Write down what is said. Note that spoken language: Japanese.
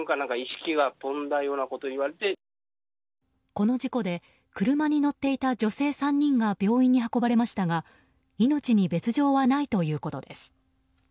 この事故で、車に乗っていた女性３人が病院に運ばれましたが命に別条はないということです。